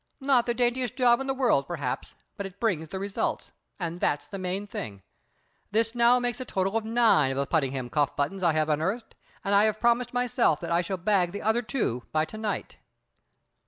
Not the daintiest job in the world, perhaps, but it brings the results, and that's the main thing. This now makes a total of nine of the Puddingham cuff buttons I have unearthed, and I have promised myself that I shall bag the other two by to night."